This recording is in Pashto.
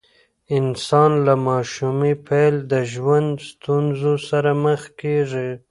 انسان له ماشومۍ پیل د ژوند ستونزو سره مخ کیږي.